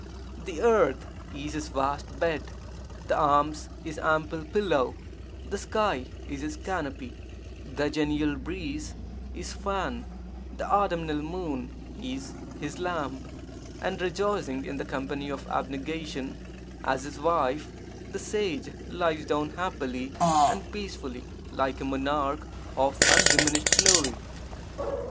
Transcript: The earth is his vast bed, the arms his ample pillow, the sky is his canopy, the genial breeze his fan, the autumnal moon is his lamp, and rejoicing in the company of abnegation as his wife, the sage lies down happily and peacefully, like a monarch of undiminished glory.